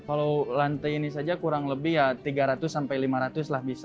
kalau lantai ini saja kurang lebih ya tiga ratus sampai lima ratus lah bisa